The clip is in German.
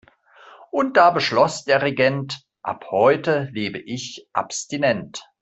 Und da beschloss der Regent: Ab heute lebe ich abstinent.